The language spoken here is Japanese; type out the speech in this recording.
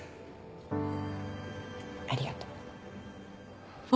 ありがとう。